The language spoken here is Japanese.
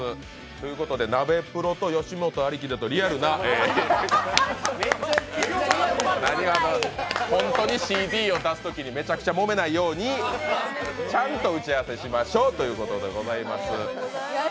ということで、ナベプロと吉本ありきでとリアルな、本当にＣＤを出すときにもめないようにちゃんと打ち合わせましょうということでございます。